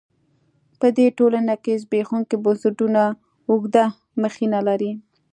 په دې ټولنو کې زبېښونکي بنسټونه اوږده مخینه لري.